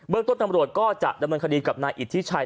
ต้นตำรวจก็จะดำเนินคดีกับนายอิทธิชัย